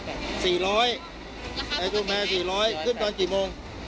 คุณพิมพ์ขำให้ไปถึงไหน